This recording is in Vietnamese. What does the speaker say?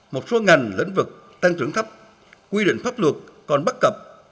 một số ngành lĩnh vực tăng trưởng thấp quy định pháp luật còn bắt cập